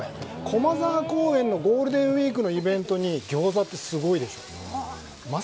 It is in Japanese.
駒沢公園のゴールデンウィークのイベントに餃子ってすごいでしょう。